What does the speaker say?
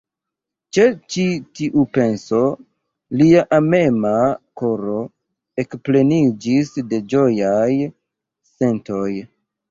Ĉe ĉi tiu penso lia amema koro ekpleniĝis de ĝojaj sentoj.